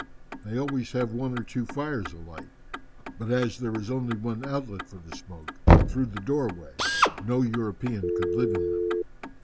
They always have one or two fires alight, but as there is only one outlet for the smoke, through the doorway, no European could live in them.